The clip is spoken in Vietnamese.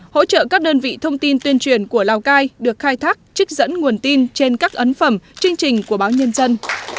hỗ trợ các đơn vị thông tin tuyên truyền của lào cai được khai thác trích dẫn nguồn tin trên các ấn phẩm chương trình của báo nhân dân